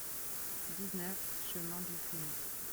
dix-neuf chemin du Frinaud